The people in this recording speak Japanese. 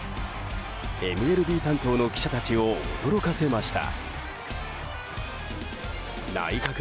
ＭＬＢ担当の記者たちを驚かせました。